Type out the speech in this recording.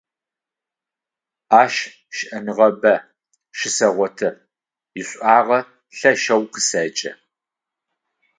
Ащ шӀэныгъабэ щысэгъоты, ишӀуагъэ лъэшэу къысэкӀы.